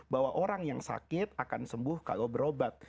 bahwa orang yang sakit akan sembuh kalau berobat